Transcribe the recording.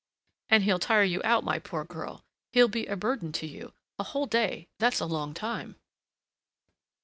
"And he'll tire you out, my poor girl! He'll be a burden to you! a whole day that's a long while!"